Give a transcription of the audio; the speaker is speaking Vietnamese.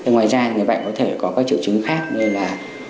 ngoài ra người bệnh có thể có các triệu chứng khác như là